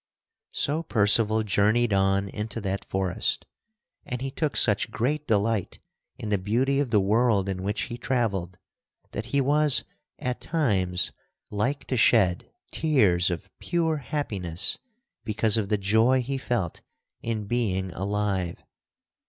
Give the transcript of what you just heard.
[Sidenote: How Percival travelled in the forest] So Percival journeyed on into that forest, and he took such great delight in the beauty of the world in which he travelled that he was at times like to shed tears of pure happiness because of the joy he felt in being alive.